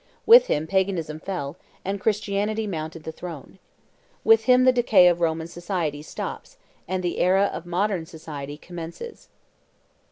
With him Paganism fell, and Christianity mounted the throne. With him the decay of Roman society stops, and the era of modern society commences.